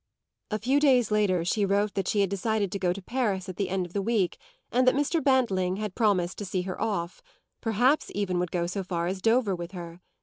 A few days later she wrote that she had decided to go to Paris at the end of the week and that Mr. Bantling had promised to see her off perhaps even would go as far as Dover with her.